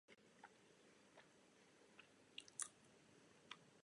B třída Středočeského kraje.